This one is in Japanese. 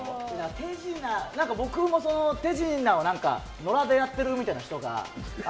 手品僕も手品を野良でやってるみたいな人が。